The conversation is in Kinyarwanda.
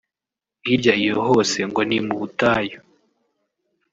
hirya iyo hose ngo ni mu butayu